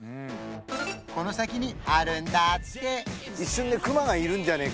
この先にあるんだって一瞬ね